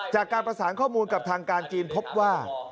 จากการประสานข้อมูลกับทางการจีนพบว่า